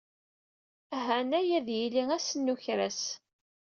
Ahanay ad d-yili ass n ukras.